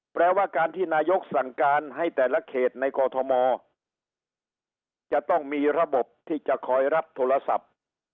แปลว่าการที่นายกสั่งการให้แต่ละเขตในกอทมจะต้องมีระบบที่จะคอยรับโทรศัพท์